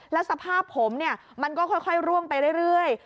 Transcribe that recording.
แล้วสภาพผมมันก็ค่อยร่วงไปเรื่อย